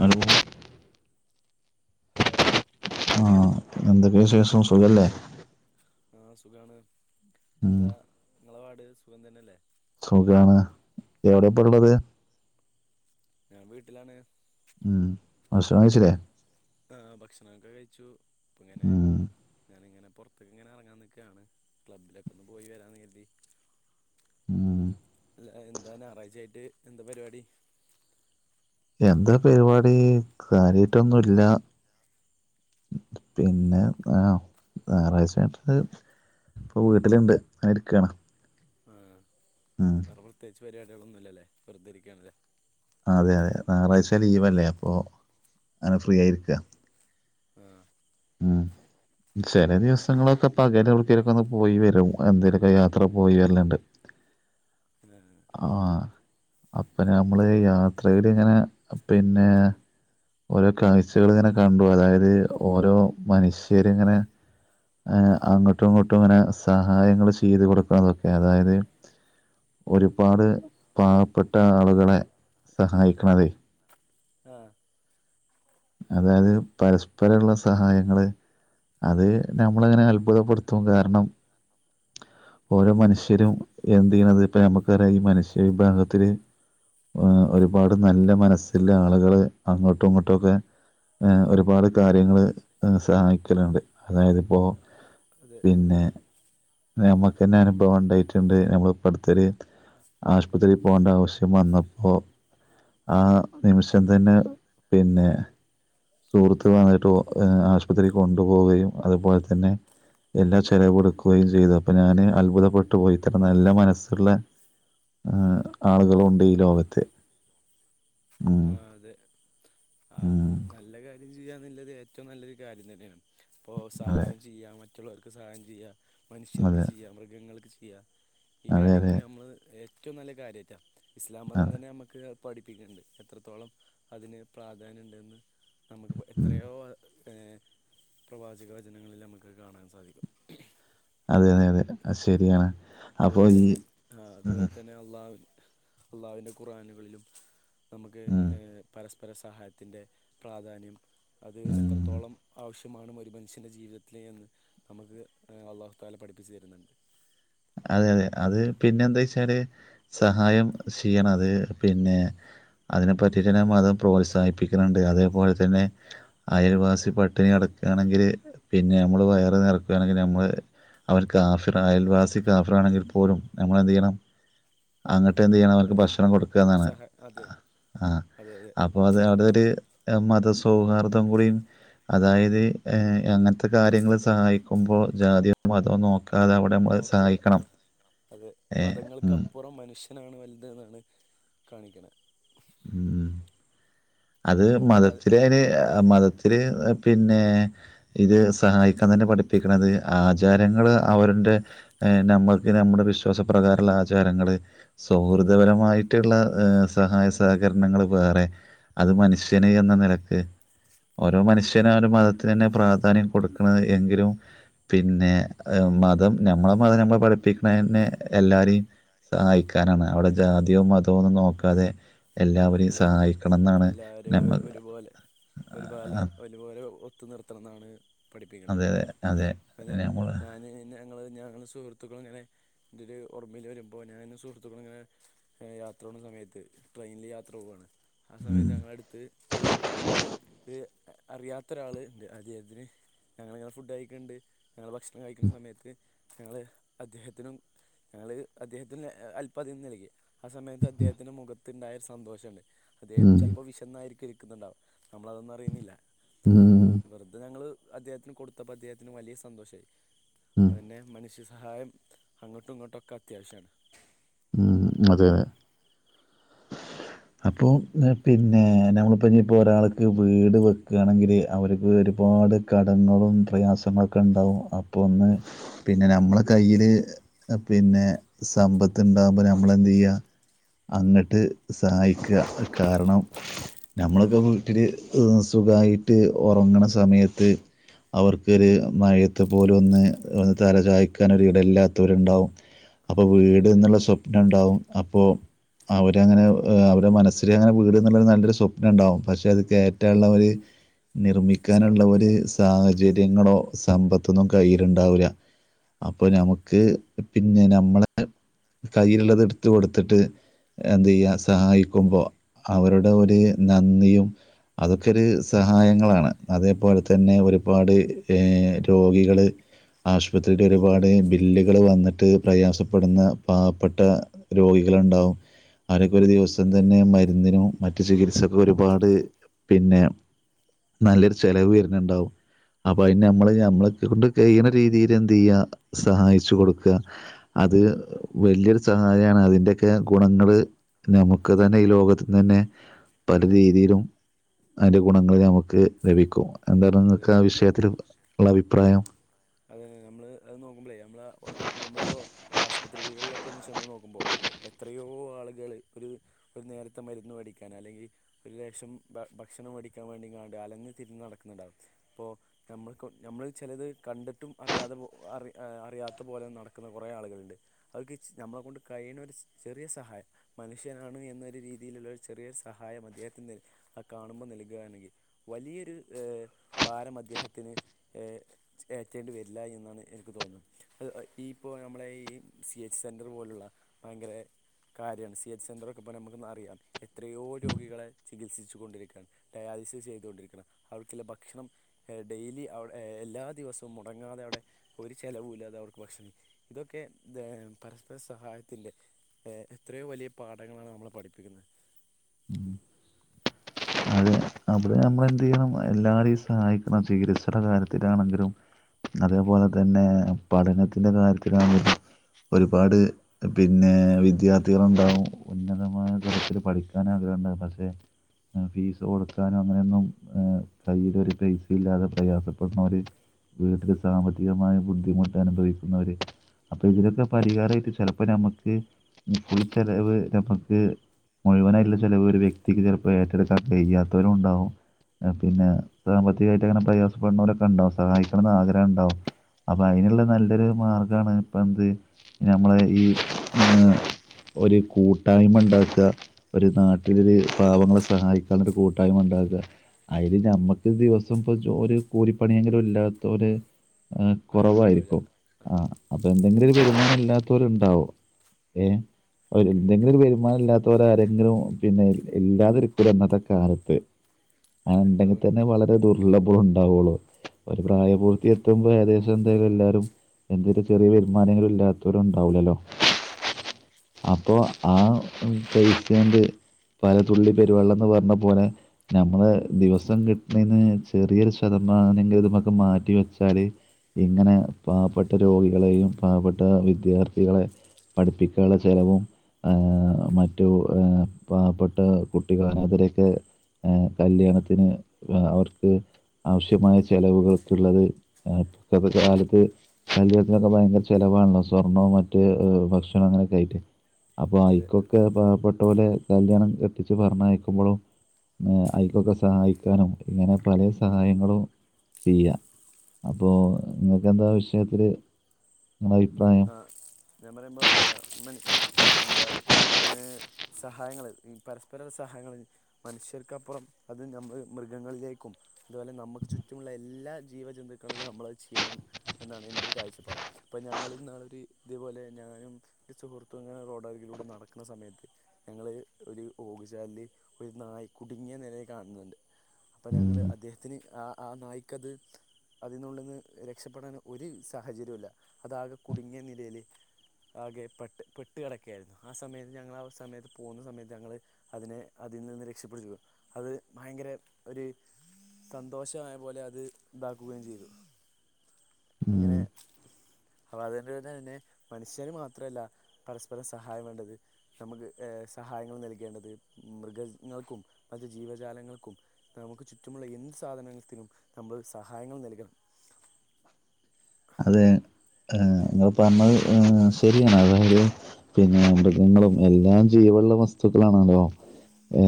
Hello hello ആഹ് എന്തൊക്കെ വിശേഷം സുഖല്ലേ ആഹ് സുഖാണ് ഉം എന്താ ഇങ്ങളെ പാട് സുഖം തന്നെല്ലേ സുഖാണ് എവടെപ്പള്ളത്? ഞാൻ വീട്ടിലാണ്. ഉം ഭക്ഷണം കഴിച്ചിലേ? ആഹ് ഭക്ഷണൊക്കെ കഴിച്ചു ഇപ്പങ്ങനെ ഉം ഞാനിങ്ങനെ പൊറത്ത്ക്ക് ങ്ങനെ അറങ്ങാൻ നിക്കാണ് ക്ലബ്ബിലൊക്കെ ഒന്ന് പോയി വരാന്ന് കര്തി ഉം അല്ല എന്താ ഞായറാഴ്ചയായിട്ട് എന്താ പരിവാടി. എന്താ പരിവാടി കാര്യായ്ട്ടൊന്നുല്ല. പിന്നെ ആ ഞായറാഴ്ചയായിട്ട് ഇപ്പൊ വീട്ടില്ണ്ട് അഹ് ഇരിക്കാണ്. ഉം ഇത്ര പ്രത്യേയിച്ച് പരിപാട്യോളൊന്നും ഇല്ലലേ വെറുതെ ഇരിക്കാണ്ലേ. അതെ അതെ നാറാഴ്ച ലീവല്ലേ അപ്പൊ അങ്ങനെ ഫ്രീ ആയിരിക്കാ ആ ചെല ദിവസങ്ങളൊക്കെ പകലെവ്ട്ക്കേലൊക്കെ ഒന്ന് പോയി വരും, എന്തേലൊക്കെ യാത്ര പോയി വരല്ണ്ട്. ആ ആഹ് അപ്പൊ നമ്മള് യാത്രേല് ഇങ്ങനെ പിന്നെ ഓരോ കാഴ്ച്ചകള് ഇങ്ങനെ കണ്ടു, അതായത് ഓരോ മനുഷ്യരിങ്ങനെ ആഹ് അങ്ങട്ടും ഇങ്ങട്ടും ഇങ്ങനെ സഹായങ്ങൾ ചെയ്തു കൊടുക്കണതൊക്കെ, അതായത് ഒരുപാട് പാവപ്പെട്ട ആളുകളെ ഇല്ല സഹായിക്കണതേ ആ അതായത് പരസ്പര ഇള്ള സഹായങ്ങള്. അത് നമ്മള് അങ്ങനെ അത്ഭുതപ്പെടുത്തും കാരണം ഓരോ മനുഷ്യരും എന്ത് ചെയ്യണുന്നത് ഇപ്പ നമുക്കറിയാ മനുഷ്യര്. ബന്ധത്തിൽ ഒരുപാട് നല്ല മനസ്സില് ആളുകള് അങ്ങോട്ടും ഇങ്ങോട്ടുമൊക്കെ. ഒരുപാട് കാര്യങ്ങള് സഹായിക്കലുണ്ട്. അതായതിപ്പോൾ അതെ പിന്നെ നമ്മുക്ക് തന്നെ അനുഭവം ഉണ്ടായിട്ടുണ്ട് നമ്മള് ഇപ്പ അടുത്തൊരു ആശുപത്രിയിൽ പോകേണ്ട ആവശ്യം വന്നപ്പോ ആ നിമിഷം തന്നെ പിന്നെ സുഹൃത്ത് വന്നിട്ട് ആശുപത്രിയിൽ കൊണ്ടുപോവുകയും, അതുപോലെ തന്നെ. എല്ലാ ചിലവ് കൊടുക്കുകയും ചെയ്തു അപ്പൊ ഞാന് അത്ഭുതപ്പെട്ടു പോയി ഇത്തരം നല്ല മനസ്സുള്ള ആളുകളും ഉണ്ട് ഈ ലോകത്ത്. ഉം, ആ, അതെ ആ ഉം, നല്ല കാര്യം ചെയ്യാന്നുള്ളത് ഏറ്റവും നല്ലൊരു കാര്യം തന്നെയാണ്. ഇപ്പോൾ അതെ സഹായം ചെയ്യാം മറ്റുള്ളവർക്ക് സഹായം ചെയ്യാം മനുഷ്യർക്ക് അതെ ചെയ്യാം, മൃഗങ്ങൾക്ക് ചെയ്യുക ഈ അതെ അതെ കാര്യങ്ങളൊക്കെ നമ്മൾ ഏറ്റവും നല്ല കാര്യായിട്ടാ, ഇസ്ലാം മതം അതെ തന്നെ നമുക്ക് പഠിപ്പിക്കുന്നുണ്ട് എത്രത്തോളം അതിന് പ്രാധാന്യം ഉണ്ടെന്ന്, നമുക്ക് ഉം, എത്രയോ പിന്നെ പ്രവാചക വചനങ്ങളിൽ നമുക്ക് കാണാൻ സാധിക്കും അതെ, അതെ, അതെ ശരിയാണ് അപ്പോൾ അതുപോലെ ഈ തന്നെ ഉം, അതുപോലെ തന്നെ അള്ളാഹുവി അള്ളാഹുവിൻ്റെ ഖുറാനുകളിലും. നമുക്ക് ഉം, പരസ്പര സഹായത്തിൻ്റെ പ്രാധാന്യം അത് ഉം. എത്രത്തോളം ആവശ്യ വേണം ഒരു മനുഷ്യൻ്റെ ജീവിതത്തിലേ എന്ന് നമുക്ക് അള്ളാഹു പഠിപ്പിച്ചച്ച് തരുന്നുണ്ട്. അതെ, അതെ അത് പിന്നെ എന്താ വെച്ചാല് സഹായം ചെയ്യണം അത് പിന്നെ അതിനെ പറ്റിട്ട് നാം മതം പ്രോത്സാഹിപ്പിക്കുന്നുണ്ട് അതേപോലെ തന്നെ അയൽവാസി പട്ടിണി എന്നിട്ട് ആണെങ്കില് പിന്നെ നമ്മള് വയറ് നിറക്കയാണെങ്കില് നമ്മള് അവർക്ക് [unintelligible] ആഫർ ആണെങ്കിൽ പോലും നമ്മളെന്ത് ചെയ്യണം അങ്ങട്ട് എന്ത് ചെയ്യണം അവർക്ക് അതെ ഭക്ഷണം കൊടുക്കുകന്നാണ്, സഹ അതെ ആ അതെ അതെ അപ്പൊ അത് ഒരു മതസൗഹാർദ്ദം കുറയും അതായത്, അങ്ങനത്തെ കാര്യങ്ങള് സഹായിക്കുമ്പോ ജാതിയോ മതോ നോക്കി നോക്ക് അത് ഏഹ് ഉം. മതങ്ങൾക്ക്പ്പുറം മനുഷ്യ ആണ് വലുത് എന്നാണ് കാണിക്കണ ഉം അത് നമ്മളിപ്പോ അതെ മതത്തില് അതിന് മതത്തില് പിന്നെ ഇത് സഹായിക്കാൻ തന്നെ പഠിപ്പിക്കണത്, ആചാരങ്ങള് അവരുന്റെ നമ്മൾക്ക് നമ്മുടെ വിശ്വാസ പ്രകാരമുള്ള ആചാരങ്ങൾ സൗഹൃദപരമായിട്ടുള്ള സഹായ സഹകരണങ്ങൾ വേറെ അത് മനുഷ്യന് എന്ന നിലക്ക് ഓരോ മനുഷ്യനും ആ മതത്തിന് തന്നെ പ്രാധാന്യം കൊടുക്കുന്നത് എങ്കിലും പിന്നെ മതം നമ്മളെ മതം നമ്മളെ പഠിപ്പിക്കണ തന്നെ എല്ലാരെയും സഹായിക്കാനാണ് അവിടെ ജാതിയോ മതമോ ഒന്നും നോക്കാതെ എല്ലാവരെയും സഹായിക്കണംന്നാ എല്ലാരെ ഒരുപോലെ ഒരുപാലെ ആഹ് ഒരുപോലെ ഒത്തു നിർത്തണംന്നാണ് അതെതെ അതെ നമ്മള് ഞാൻ ഞങ്ങൾ ഞങ്ങൾ സുഹൃത്തുക്കള്ങ്ങനെ തില് ഓമ്മേൽ വരുമ്പോ ഞാനും സുഹൃത്തുക്കളു ങ്ങനെ യാ ത്രോണ സമയത്ത് ട്രെയിൻൽ യാത്ര പോവാണ് ആ ഉം സമയത്ത് ഞങ്ങളട്ത്ത് ഒര് ഒര് അറിയാത്ത ഒരാൾ ണ്ട് അദ്ദേഹത്തിന് ഞങ്ങളിങ്ങളനെ ഫുഡ് കയ്ക്ക്‌ണ്ട് ഞങ്ങള് ഭക്ഷണം കഴിക്കുന്ന സമയത്ത് ഞങ്ങള് അദ്ദേഹത്തിനും ഞങ്ങള് അദ്ദേഹത്തിന് അല്പാതിം നൽകി ആ സമയത്ത് അദ്ദേഹത്തിന്റെ മുഖത്ത് ണ്ടായരു സന്തോഷണ്ട് അദ്ദേഹം ഉം ചെൽപ്പോ വിശന്നായിരിക്കുവെ ക്ക്‌ന്ന്ണ്ടാവ നമ്മളതൊന്നും അറിയുന്നില്ല അപ്പോ ഉം വെർതെ ഞങ്ങൾ അദ്ദേഹത്തിന് കൊടുത്തപ്പോ അദ്ദേഹത്തിന് വലിയ സന്തോഷയി ഉം അതെന്നെ മനുഷ്യ സ് സഹായം അങ്ങോട്ടു ങ്ങോട്ടൊക്കെ അത്യാവശ്യണ് ഉം അതെ അതെ അപ്പൊ പിന്നെ നമ്മള്പ്പോ നിപ്പോ ഒരാൾക്ക് വീട് വെക്കാണെങ്കില് അവര്ക്ക് ഒര് പ പാട് കടങ്ങളും പ്രയാസങ്ങളൊക്കെ ണ്ടാവും അപ്പോ ഒന്ന് പിന്നെ നമ്മള കയ്യില് പിന്നെ സമ്പത്ത് ണ്ടാവ്മ്പോ നമ്മള് എന്തെയ്യാ അങ്ങട്ട് സഹായിക്ക കാരണം നമ്മളൊക്കെ വീട്ടില് സു ഖായിട്ട് ഒറങ്ങ്ണ സമയത്ത് അവർക്കൊരു മഴയത്ത് പോലും ഒന്ന് തല ചായ്ക്കാനൊരു ഇട ല്ലാത്തൊര്ണ്ടാവും അപ്പൊ അതെ വീട്ന്ന്ള്ള സ്വപ്നം ണ്ടാവും അപ്പൊ അവരങ്ങനെ അവരെ മനസ്സിൽ അങ്ങനെ വീട് ന്ന്ള്ളൊരു നല്ലൊരു സ്വപ്ന ഉണ്ടാവും പക്ഷെ അത് കേറ്റാൻള്ള ഒര് നിർമ്മിക്കാനുള്ള സാമ്പത്തിക ഒരു സാഹചര്യങ്ങളോ സമ്പത്തൊന്നും കയ്യില്ണ്ടാവൂല അപ്പൊ ഉം, നമക്ക് പിന്നെ നമ്മളെ കയ്യിൽള്ളത് എടുത്ത് കൊട്ത്ത്ട്ട് എന്തെയ്യ സഹായിക്കുമ്പോ അവരുടെ ഒരു നന്ദിയും അതൊക്കൊരു സഹായങ്ങളാണ് അതേപോലെത്തന്നെ ഒരുപാട് ഏ രോഗികള് ആശുപത്രില് ഒരുപാട് ബില്ലുകള് വന്നിട്ട് പ്രയാസപ്പെടുന്ന പാവപ്പെട്ട രോഗികള്ണ്ടാവും അരൊക്ക ഒരു ദിവസം അതെ തന്നെ മരുന്നിനും മ റ്റു ചികിത്സക്കു ഒരുപാട് പിന്നെ നല്ലൊരു ചെലവ് വര്ന്ന് ണ്ടാവു അപ്പൊ അയ്ന് നമ്മള് അമ്മളക് കൊണ്ട് കയ്യിണ രീതീൽ എന്ത് എയ്യാ സഹായിച്ചു കൊടുക്ക അത് ല്ല്യൊരു സഹായാണ് അതിന്റൊക്കെ ഗുണങ്ങള് നമുക്ക് തന്നെ ഈ ലോകത്ത്ന്ന് തന്നെ പല രീതിയിലും അയ്ൻ്റെ ഗുണങ്ങള് നമുക്ക് ലഭിക്കും ങ്ങക്ക്‌ ആ വിഷയത്തില് ള്ള അഭിപ്രായം അതെ തെ നമ്മള് അത് നോക്കുമ്പൊളേ നമ്മള് നമ്മളിപ്പോ ആശ് അപ്പോൾ സ്ത്രീകളിലൊക്കെ ഒന്ന് ചെന്ന് നോക്കുമ്പോ എത്രയോ ആളുകൾ ഒരു ഒരു നേരത്തെ മരുന്ന് വെടിക്കാനാ ല്ലെങ്കിൽ ഒരു ക്ഷം ഭ ഭക്ഷണം വെടിക്കാൻ വേണ്ടി ങ്ങാണ്ട് അലഞ്ഞ് തിരിന്ന് നടക്ക്‌ന്ന്ണ്ടാവും പ്പോ നമ്മക്ക് നമ്മൾ ചെലത് കണ്ടിട്ടും അറിയാതെ പോ അറി എ അറിയാത്ത പോലെ നടക് കൊറേ ആളുകൾണ്ട് അവ്കിച്ച് നമ്മള കൊണ്ട് കഴിണ ഒരു ചെറിയ സഹായ മനുഷ്യനാണ് എന്നൊരു രീ തീലുള്ള ഒരു ചെറിയൊരു സഹായം അദ്ദേഹത്തിന് കാണുമ്പോ നൽകാണെങ്കിൽ വലിയൊരു ഏ ഭാരം അദ്ദേഹത്തിന് ഏ ഏറ്റേണ്ടി വരില്ല എന്നാണ് എനിക്ക് തോന്ന്ന്ന ഈ ഇപ്പോ നമ്മുടെ ഈ സി എച്ച് സെന്റർ പോലുള്ള ഭയങ്കര കാര്യണ് സി എച്ച് സെന്ററൊക്കെ പ്പൊ നമ്മക്ക്‌ന്ന് അറിയാ എത്രയോ രോഗികളെ ചികിത്സിച്ചു കൊണ്ടിരിക്കാണ് ഏ സ് ചെയ്തോണ്ടിരിക്ക്‌ണ് അവർക്ക്‌ള്ള ഭ ക്ഷണം ഡെയിലി അവ്ടെ എല്ലാ ദിവസവും മുടങ്ങാതെ അവിടെ ഒരു ചെലവുല്ലാതെ അവർക്ക് ഭക്ഷണം ഇതൊക്കെ പരസ്പര സഹായത്തിന്റെ എത്രയോ വലിയ പാഠങ്ങളാണ് നമ്മള് പഠിപ്പിക്കുന്നത് ഉം അബ്ടെ നമ്മള് എന്തെയ്യണം എല്ലാരെയും സഹായിക്കുന്ന ചികിത്സടെ കാര്യത്തിലാണെങ്കിലും അതേപോലെ തന്നെ പഠനത്തിന്റെ കാര്യത്തിലാണെ ഒരുപാട് പിന്നെ വിദ്യാർത്ഥികളുണ്ടാവും ഉന്നതമായ തരത്തില് പഠിക്കാനാ വന്നേ പക്ഷെ എ ഫീസ് കൊടു ക്കാനും അങ്ങനെയൊന്നും ഏ കയ്യിലൊരു പൈസ ഇല്ലാതെ പ്രയാസപ്പെടുന്നോര് വീട്ടില് സാമ്പത്തികമായ ബുദ്ധിമുട്ട് അനുഭവിക്കുന്നവര് അപ്പൊ ഇതിലൊക്കെ പരിഹാരായിട്ട് ചെലപ്പോ ഞമ്മക്ക് ഫുൾ ചെലവ് നമ്മക്ക് മുഴുവനായിട്ട്ള്ള ചെലവ് ഒരു വ്യക്തിക്ക് ചെലപ്പോ ഏറ്റെടുക്കാൻ കഴിയാത്തവനും ഉണ്ടാവും എ അത് പിന്നെ സാമ്പത്തികായിട്ട് ഇങ്ങനെ പ്രയാസപ്പെടുന്നവരൊക്കെ ഇണ്ടാവും സഹായിക്കണംന്ന് ആഗ്രഹണ്ടാവും അപ്പൊ അയിന്ള്ള നല്ലൊരു മാർഗാണ് ഇപ്പ എന്ത് ഞമ്മള് ഈ ഒരു കൂട്ടായ്മ ഇണ്ടാക്ക ഒരു നാട്ടിലൊരു പാവങ്ങളെ സഹായിക്കാനുള്ള ഒരു കൂ ട്ടായ്മ ഉണ്ടാകുക അയില് ഞമ്മക്ക് ദിവസം ഇപ്പ ജോ ഒരു കൂലിപ്പണിയെങ്കിലും ഇല്ലാത്തോര് ആ ആരും ഉണ്ടാവില്ല കൊറവായിരിക്കും ആ അത് അപ്പൊ എന്തെങ്കിലും ഒരു വരുമാനം ഇല്ലാത്തവരുണ്ടാവോ ഏ ര് എന്തെങ്കിലും ഒരു വരുമാനം ഇല്ലാത്തോരാരെങ്കിലും പിന്നെ ഇല്ലാതിരിക്കൂല ഇന്നത്തെ കാല ത്ത് അത് ഉണ്ടെങ്കി ഉണ്ടാവുന്നുണ്ട് തന്നെ വളരെ ദുർലഭം ഉണ്ടാവുള്ളു ഒരു അതെ പ്രായപൂർത്തി എത്തുമ്പോ ഏകദേശം എന്തായാലും എല്ലാരും എന്തൊരു ചെറിയ വരുമാനങ്ങളും ഇല്ലാത്തവരു ഉണ്ടാവൂലല്ലോ അപ്പൊ ആ പൈസോണ്ട് പലതുള്ളി പെരുവെള്ളംന്ന് പർഞ്ഞ പോലെ ഞമ്മള് ദിവസം കിട്ട്ണേന്ന് ചെറിയൊരു ശതമാനെങ്കില് ഇത് മെക്ക്‌ മാറ്റി വെച്ചാല് ഇങ്ങനെ പാവപ്പെട്ട രോഗികളെയും പാവപ്പെട്ട വിദ്യാർത്ഥികളെ പഠിപ്പിക്കാള്ള ചെലവും ഏ മറ്റു ഏ പാവപ്പെട്ട കുട്ടികൾ അനാഥരെയൊക്കെ ഏ കല്യാണത്തിന് വ അവക്ക് ആവശ്യമായ ചെലവുകൾക്ക് ഇള്ളത് ആ ഇപ്പത്തെ കാലത്ത് കല്യാണത്തിനൊക്കെ ഭയങ്കര ചെല വേണല്ലോ സ്വർണ്ണോ മറ്റു ഭക്ഷണം അങ്ങനെയൊക്കെ ആയിട്ടേ. അപ്പൊ അതെ ഐക്കൊക്കെ പാവപ്പെട്ടോല് കല്ല്യാണം എത്തിച്ച് പറഞ്ഞയക്കുമ്പോഴോ. എന്നാ ഐക്കൊക്കെ സഹായിക്കാനും ഇങ്ങനെ പല സഹായങ്ങളും ചെയ്യാ. അപ്പോ നിങ്ങക്കെന്താ വിഷയത്തില് നിങ്ങളുടെ അഭിപ്രായം ആഹ് ഞാൻ പറയുമ്പോ ആഹ് ഉമ്മനി എന്താ ഏഹ് സഹായങ്ങള് ഈ പരസ്പര സഹായങ്ങള് മനുഷ്യർക്കപ്പുറം അത് ഞമ്മള് മൃഗങ്ങളിലേക്കും അതുപോലെ നമുക്ക് ചുറ്റുമുള്ള എല്ലാ ജീവജന്തുക്കളിലും നമ്മളത് ചെയ്യണം എന്നാണ് എന്റെ ഒരു കാഴ്ചപ്പാട്. ഇപ്പൊ ഞങ്ങൾ എന്നാളൊരു ഇതേപോലെ ഞാനും എൻ്റെ സുഹൃത്തും ഇങ്ങനെ റോഡരികിലൂടെ നടക്കണ സമയത്ത് ഞങ്ങള് ഒരു ഓവുചാലില് ഒരു നായ കുടുങ്ങിയ നിലയില് കാണുന്നുണ്ട്. അപ്പൊ ഞങ്ങള് ഉം അദ്ദേഹത്തിന് ആഹ് ആഹ് നായ്ക്കത് അതിൻ്റെ ഉള്ളീന്ന് രക്ഷപ്പെടാൻ ഒരു സാഹചര്യം ഇല്ല. അതാകെ കുടുങ്ങിയ നിലയില് ആകെ പെട്ട് പെട്ട് കിടക്കയായിരുന്നു. ആഹ് സമയം ഞങ്ങൾ ആ സമയത്ത് പോകുന്ന സമയത്ത് ഞങ്ങൾ അതിനെ ഇതിൽ നിന്ന് രക്ഷപ്പെടുത്തിയപ്പോ അത് ഭയങ്കര ഒരു സന്തോഷമായ പോലെ അത് ഇതാക്കുകയും ചെയ്തു. ഉം അങ്ങനെ അതുകൊണ്ട് പിന്നെ മനുഷ്യന് മാത്രമല്ല പരസ്പരം സഹായം വേണ്ടത്. നമുക്ക് ഏഹ് സ സഹായങ്ങൾ നൽകേണ്ടത് മൃഗങ്ങൾക്കും മറ്റ് ജീവജാലങ്ങൾക്കും നമുക്ക് ചുറ്റുമുള്ള എന്ത് സാ- ധനത്തിനും നമ്മൾ സഹായങ്ങൾ നൽകണം. അതെ. ആഹ് നിങ്ങൾ പറഞ്ഞത് ശരിയാണ്. അതായത് പിന്നെ മൃഗങ്ങളും എല്ലാം ചെയ്യോ- ലുള്ള വസ്തുക്കളാണല്ലോ.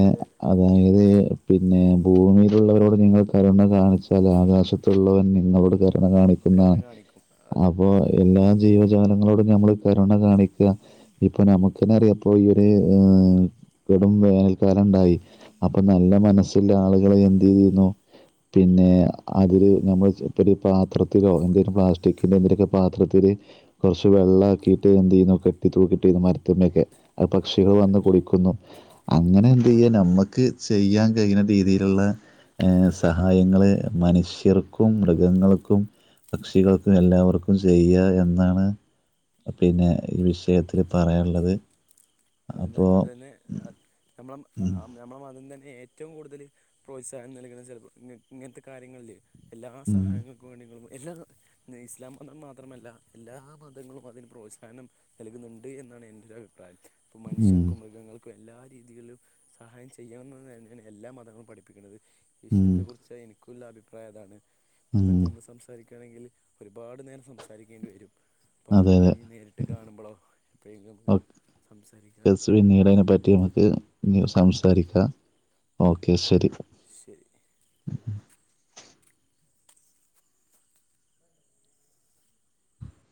അത് അതായത് പിന്നെ, ഭൂമിയിലുള്ളവരോട് നിങ്ങൾ കരുണ കാണിച്ചാല്, ആകാശത്തുള്ളവൻ നിങ്ങളോട് കരുണ കരുണ കാണിക്കുന്നാണ്. കാണിക്കും അതെ അപ്പൊ എല്ലാ ജീവജാലങ്ങളോടും ഞമ്മള്- കരുണ കാണിക്ക. ഇപ്പോ നമുക്കന്നെ അറിയാ ഇപ്പോ ഈ ഒര്- കൊടും വേനൽക്കാലം ഉണ്ടായി അപ്പൊ നല്ല മനസ്സുള്ള ആളുകള് എന്ത് ചെയ്തിരുന്നു പിന്നെ അതില് നമ്മൾ ഇപ്പൊ ഒരു പാത്രത്തിലോ എ പ്ലാസ്റ്റിക്കിന്റെ എന്തിനൊക്കെ പാത്രത്തിത്തിൽ കുറച്ച് വെള്ളം ആക്കിയിട്ട് എന്ത് ചെയ്യണം കെട്ടി തൂക്കിട്ട്ന്ന് മരത്ത്മ്മലൊക്കെ പക്ഷികൾ വന്ന് അതെ കുടിക്കുന്നു അങ്ങനെ എന്ത് ചെയ്യാ നമ്മുക്ക് ചെയ്യാൻ കഴിയുന്ന രീതിയിലുള്ള ഏ സ ഹായങ്ങളെ മനുഷ്യർക്കും മൃഗങ്ങൾക്കും പക്ഷികൾക്കും എല്ലാവർക്കും ചെയ്യുക എന്നാണ് പിന്നെ ഈ വിഷയത്തില് പറയാനുള്ളത് അ അപ്പോ അത് തന്നെ നമ്മള ഉം നമ്മളെ അതി തന്നെ ഏറ്റവും കൂടുതൽ പ്രോത്സാഹനം നൽകുന്ന ചിലപ്പോൾ ഇ ഇങ്ങനത്തെ കാര്യങ്ങളിൽ എല്ലാ ഉം സഹായങ്ങൾക്കും വേണ്ടി നിങ്ങളും എല്ലാ ഇസ്ലാം മതം മാത്രമല്ല എല്ലാ മതങ്ങളും അതിന് പ്രോത്സാഹനം നൽകുന്നുണ്ട് എന്ന് എന്നാണ് എന്റെ ഒരു അഭിപ്രായം ഇപ്പൊ ഉം മനുഷ്യർക്കും മൃഗങ്ങൾക്കും എല്ലാ രീതിയിലും സഹായം ചെയ്യാവുതാണ് എല്ലാ മതങ്ങളും പഠിപ്പിക്കുന്നത് ഉം വിഷയത്തെക്കുറിച്ച് എനിക്ക് ക്കുള്ള അഭിപ്രായംതാണ് അതിനെപ്പറ്റി ഉം നമ്മൾ സംസാരിക്കുകയാണെങ്കിൽ ഒരുപാട് നേരം സംസാരിക്കേണ്ടി വരും അപ്പോം അതെ നമ്മുക്ക് അതെ ഇഞ്ഞ് നേരിട്ട് കാണുമ്പളോ എപ്പോളെങ്കിലും നമുക്ക് സംസാരിക്കാം ഫസ്റ്റ് പിന്നീടയ്നെപ്പറ്റി നമക്ക് സംസാരിക്ക ഓക്കെ ശരി ശരി